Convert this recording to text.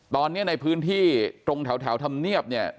ตอนนี้ในพื้นที่ตรงแถวธรรมเนียบเนี่ย